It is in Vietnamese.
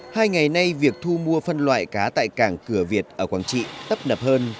hai ngày nay việc thu mua phân loại cá tại cảng cửa việt ở quảng trị tấp nập hơn